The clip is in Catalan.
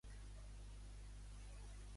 Què ha explicat la Generalitat?